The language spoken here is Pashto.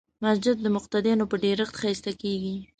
مسجد د مقتدیانو په ډېرښت ښایسته کېږي.